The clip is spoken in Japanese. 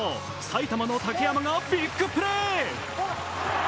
埼玉の竹山がビッグプレー。